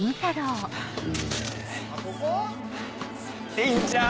・・倫ちゃん！